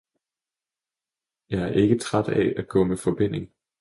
Jeg er ikke træt af at gå med forbinding